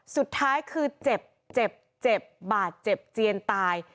สุดท้ายคือเจ็บเจ็บเจ็บบาดเจ็บเจียนตาย